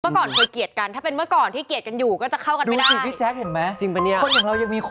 ก่อนเคยเกลียดกันถ้าเป็นเมื่อก่อนที่เกลียดกันอยู่ก็จะเข้ากันไม่ได้